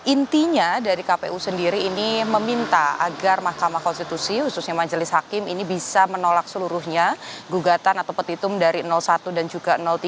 intinya dari kpu sendiri ini meminta agar mahkamah konstitusi khususnya majelis hakim ini bisa menolak seluruhnya gugatan atau petitum dari satu dan juga tiga